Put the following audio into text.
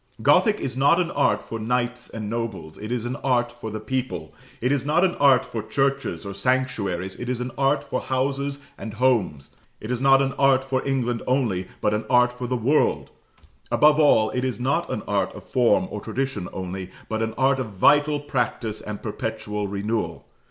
Gothic is not an art for knights and nobles; it is an art for the people: it is not an art for churches or sanctuaries; it is an art for houses and homes: it is not an art for England only, but an art for the world: above all, it is not an art of form or tradition only, but an art of vital practice and perpetual renewal.